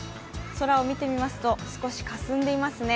空を見てみますと少しかすんでいますね。